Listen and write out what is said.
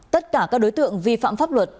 tất cả các đối tượng vi phạm pháp luật